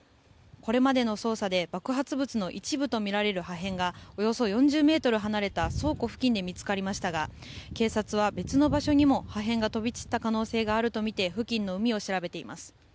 これまでの捜査で爆発物の一部とみられる破片がおよそ４０ｍ離れた倉庫付近で見つかりましたが警察は別の場所にも破片が飛び散った可能性があるとみて付近の海を調べています。